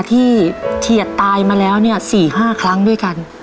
เฉียดตายมาแล้ว๔๕ครั้งด้วยกัน